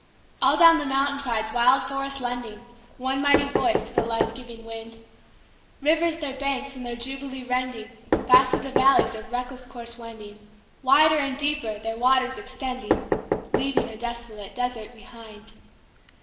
All down the mountain sides wild forests lending One mighty voice to the life giving wind, Rivers their banks in their jubilee rending, Fast through the valleys a reckless course wending, Wider and deeper their waters extending, Leaving a desolate desert behind.